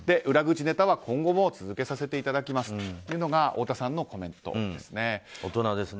裏口ネタは今後も続けさせていただきますというのが太田さんのコメントですね。